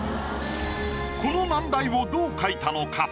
この難題をどう描いたのか？